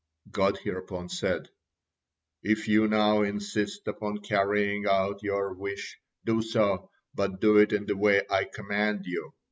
God hereupon said: "If you now insist upon carrying out your wish, do so, but do it in the way I command you.